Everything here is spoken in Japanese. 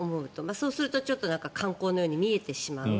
そうするとちょっと観光のように見えてしまう。